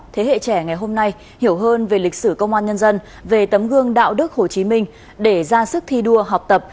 thế hệ trẻ ngày hôm nay hiểu hơn về lịch sử công an nhân dân về tấm gương đạo đức hồ chí minh để ra sức thi đua học tập